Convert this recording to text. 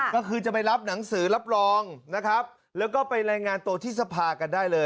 ก็คือจะไปรับหนังสือรับรองและไปแรงงานโตที่ทรภาค์กันได้เลย